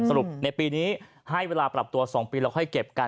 ในปีนี้ให้เวลาปรับตัว๒ปีแล้วค่อยเก็บกัน